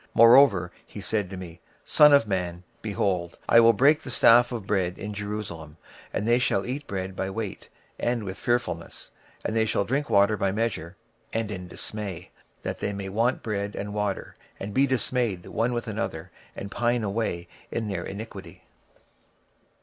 26:004:016 Moreover he said unto me, Son of man, behold, I will break the staff of bread in Jerusalem: and they shall eat bread by weight, and with care; and they shall drink water by measure, and with astonishment: 26:004:017 That they may want bread and water, and be astonied one with another, and consume away for their iniquity.